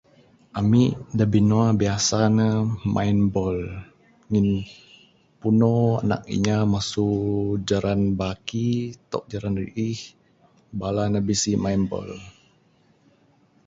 Ami' da binua biasa ne main ball ngin puno nak inya masu jaran Baki tok jaran Riih, bala ne bisi main ball.